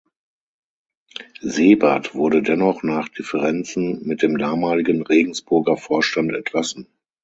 Sebert wurde dennoch nach Differenzen mit dem damaligen Regensburger Vorstand entlassen.